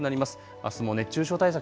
あすも熱中症対策